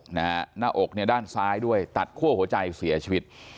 หน้าอกเนี่ยด้านซ้ายด้วยตัดคั่วหัวใจเสียชีวิต